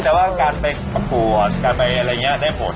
อ๋อแสดงว่าการไปกะพรหอดอะไรอย่างงี้ได้ผล